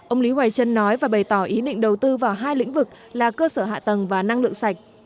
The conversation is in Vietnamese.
ông lý hoài chân nói và bày tỏ ý định đầu tư vào hai lĩnh vực là cơ sở hạ tầng và năng lượng sạch